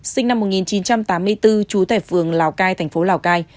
sinh năm một nghìn chín trăm tám mươi bốn trú tại phường lào cai thành phố lào cai